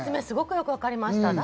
すごくよく分かりました。